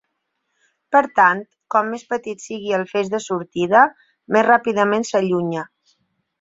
Per tant, com més petit sigui el feix de sortida, més ràpidament s'allunya.